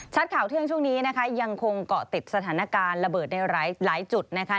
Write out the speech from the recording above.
ข่าวเที่ยงช่วงนี้นะคะยังคงเกาะติดสถานการณ์ระเบิดในหลายจุดนะคะ